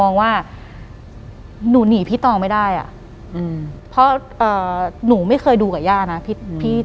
หลังจากนั้นเราไม่ได้คุยกันนะคะเดินเข้าบ้านอืม